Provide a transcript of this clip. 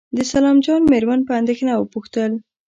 د سلام جان مېرمن په اندېښنه وپوښتل.